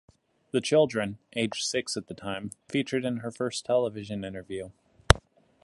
The children, aged six at the time, featured in her first television interview.